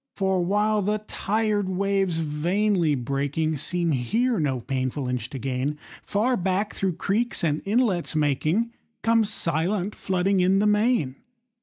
For while the tired waves, vainly breaking, Seem here no painful inch to gain, Far back, through creeks and inlets making, Comes silent, flooding in, the main.